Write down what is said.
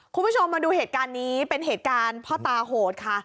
คุณผู้ชมมาดูเหตุการณ์นี้เป็นเหตุการณ์พ่อตาโหดค่ะ